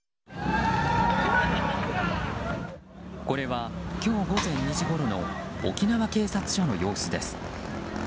これは今日午前２時ごろの沖縄警察署の様子です。